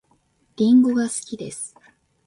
りんごが好きです